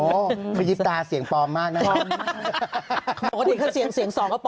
โอ้โหพยิบตาเสียงปลอมมากนะครับ